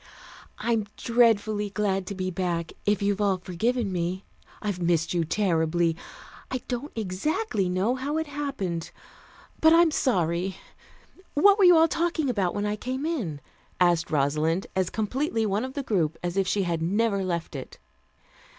"I'm dreadfully glad to be back, if you've all forgiven me. I've missed you terribly. I don't exactly know how it happened. But I'm sorry. What were you all talking about when I came in?" asked Rosalind, as completely one of the group as if she had never left it.